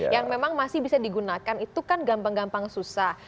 yang memang masih bisa digunakan itu kan gampang gampang susah